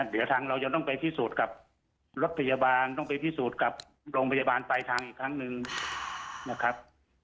เดี๋ยวทางเราจะต้องไปพิสูจน์กับรถพยาบาลต้องไปพิสูจน์กับโรงพยาบาลปลายทางอีกครั้งหนึ่งนะครับ